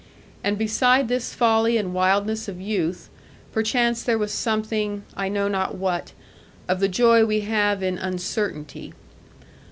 And beside this folly and wildness of youth, perchance there was something, I know not what, of the joy we have in uncertainty.